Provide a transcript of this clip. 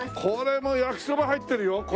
これ焼きそば入ってるよ。